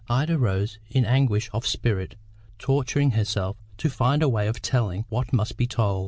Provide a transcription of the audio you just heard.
Ida rose in anguish of spirit, torturing herself to find a way of telling what must be told.